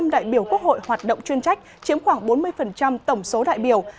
một trăm linh đại biểu quốc hội hoạt động chuyên trách chiếm khoảng bốn mươi tổng số đại biểu